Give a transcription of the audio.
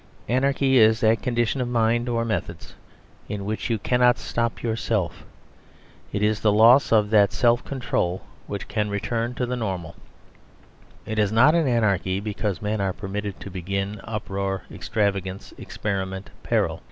Anarchy is that condition of mind or methods in which you cannot stop yourself. It is the loss of that self control which can return to the normal. It is not anarchy because men are permitted to begin uproar, extravagance, experiment, peril.